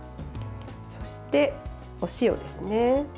そして、お塩ですね。